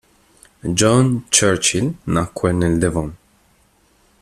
John Churchill nacque nel Devon.